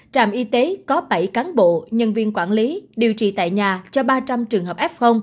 trạm y tế có bảy cán bộ nhân viên quản lý điều trị tại nhà cho ba trăm linh trường hợp f